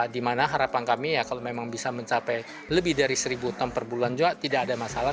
dimana harapan kami ya kalau memang bisa mencapai lebih dari seribu ton per bulan juga tidak ada masalah